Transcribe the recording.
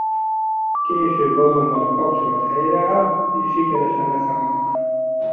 Később azonban a kapcsolat helyreáll és sikeresen leszállnak.